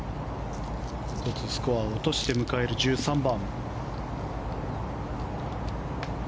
１つスコアを落として迎える１３番。